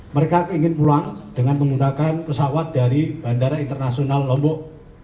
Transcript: mereka ingin pulang dengan menggunakan pesawat dari bandara internasional lombok